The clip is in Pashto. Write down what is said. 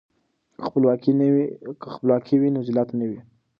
که خپلواکي وي نو ذلت نه وي.